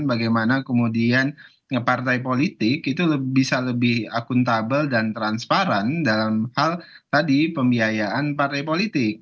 bagaimana kemudian partai politik itu bisa lebih akuntabel dan transparan dalam hal tadi pembiayaan partai politik